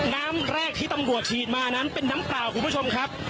น้ำแรกที่ตำรวจฉีดมานั้นเป็นน้ำเปล่าคุณผู้ชมครับ